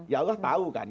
ya allah tahu kan